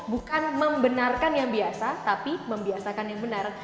bukan membenarkan yang biasa tapi membiasakan yang benar